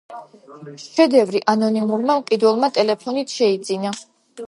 შედევრი ანონიმურმა მყიდველმა ტელეფონით შეიძინა.